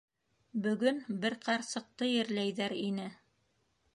Бөгөн бер ҡарсыҡты ерләйҙәр ине...